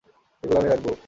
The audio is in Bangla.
এইগুলা আমি রাখবো।